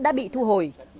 đã bị thu hồi